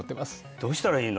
どうしたらいいの？